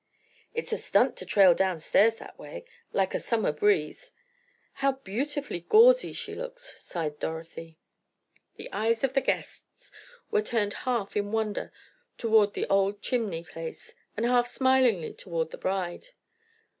"It's a stunt to trail downstairs that way—like a summer breeze. How beautifully gauzy she looks!" sighed Dorothy. The eyes of the guests were turned half in wonder toward the old chimney place, and half smilingly toward the bride.